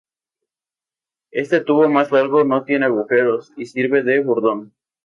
Este tubo más largo no tiene agujeros y sirve de bordón.